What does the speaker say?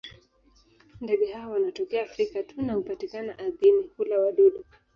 Ndege hawa wanatokea Afrika tu na hupatikana ardhini; hula wadudu.